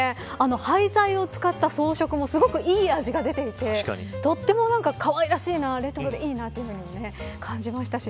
廃材を使った装飾もすごくいい味が出ていてとってもかわいらしいなとレトロでいいなと感じましたし。